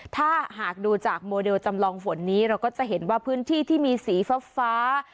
ถ้าหากดูจากโมเดลจำลองฝนนี้เราก็จะเห็นว่าพื้นที่ที่มีสีฟ้า